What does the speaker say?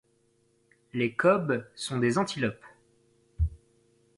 Les cobes sont des antilopes